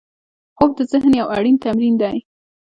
خوب د ذهن یو اړین تمرین دی